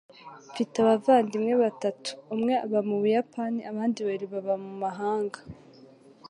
Mfite abavandimwe batatu. Umwe aba mu Buyapani abandi babiri baba mu mahanga.